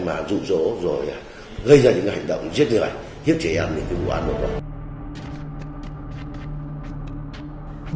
và dụ dỗ rồi gây ra những hành động giết người lại hiếp trẻ em thì vụ án được rồi